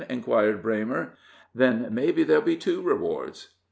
inquired Braymer; "then mebbe there'll be two rewards!"